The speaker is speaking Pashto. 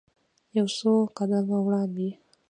یو څو قدمه وړاندې.